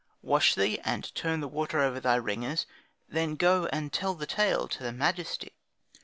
Wash thee, and turn the water over thy ringers; then go and tell the tale to the majesty."